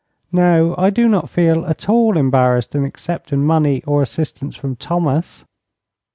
No; I do not feel at all embarrassed in accepting money or assistance from Thomas."